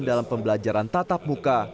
dalam pembelajaran tatap muka